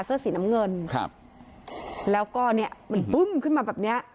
เสื้อสีน้ำเงินครับแล้วก็เนี้ยมันปึ้มขึ้นมาแบบเนี้ย